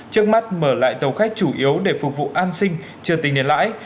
trước mắt mở lại tàu khách chủ yếu để phục vụ an sinh chờ tình niên lãi